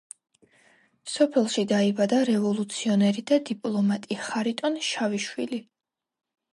სოფელში დაიბადა რევოლუციონერი და დიპლომატი ხარიტონ შავიშვილი.